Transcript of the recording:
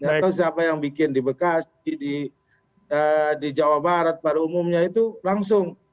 atau siapa yang bikin di bekasi di jawa barat pada umumnya itu langsung